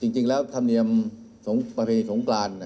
จริงแล้วทาบนิยมประเพณีของปลาน